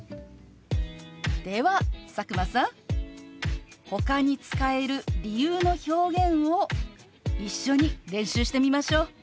では佐久間さんほかに使える理由の表現を一緒に練習してみましょう。